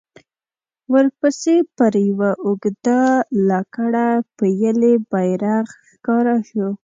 ورپسې پر يوه اوږده لکړه پېيلی بيرغ ښکاره شو.